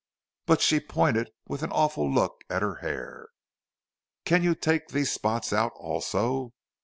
But she pointed with an awful look at her hair. "Can you take these spots out also?